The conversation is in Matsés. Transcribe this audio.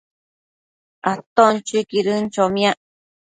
aton chuiquidën chomiac